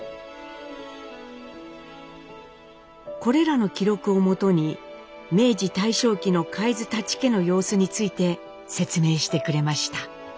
これらの記録をもとに明治大正期の海津舘家の様子について説明してくれました。